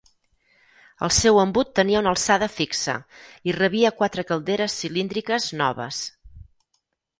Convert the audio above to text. El seu embut tenia una alçada fixa i rebia quatre calderes cilíndriques noves.